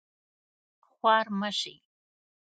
خوار مه شې